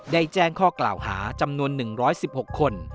แจ้งข้อกล่าวหาจำนวน๑๑๖คน